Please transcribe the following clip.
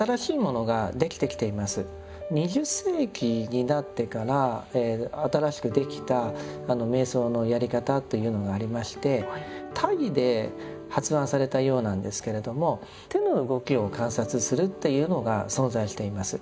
２０世紀になってから新しくできた瞑想のやり方というのがありましてタイで発案されたようなんですけれども手の動きを観察するっていうのが存在しています。